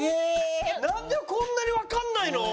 なんでこんなにわかんないの？